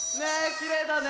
きれいだね。